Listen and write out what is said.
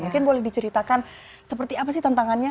mungkin boleh diceritakan seperti apa sih tantangannya